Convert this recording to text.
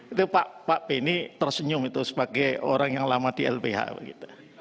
itu pak benny tersenyum itu sebagai orang yang lama di lbh begitu